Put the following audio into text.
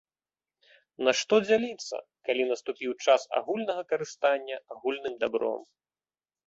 Нашто дзяліцца, калі наступіў час агульнага карыстання агульным дабром?